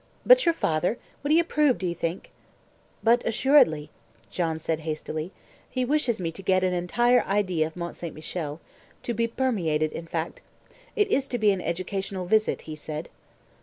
"But your father? Would he approve, do you think?" "But assuredly," Jean said hastily; "he wishes me to get an entire idea of Mont St. Michel to be permeated, in fact. It is to be an educational visit, he said."